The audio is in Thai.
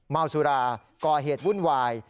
เมาสุราก่อเหตุวุ่นวาย